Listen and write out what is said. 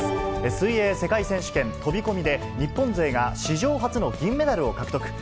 水泳世界選手権飛び込みで、日本勢が史上初の銀メダルを獲得。